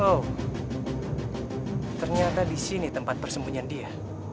oh ternyata disini tempat persembunyian dia